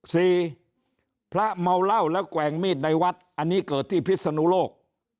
พระเมาเหล้าแล้วแกว่งมีดในวัดอันนี้เกิดที่พิศนุโลก